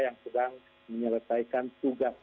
yang sedang menyelesaikan tugas